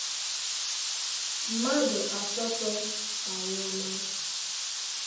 mmadụ asatọ anwụọna